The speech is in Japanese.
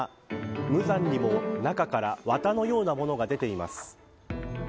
無残にも、中から綿のようなものが出ています。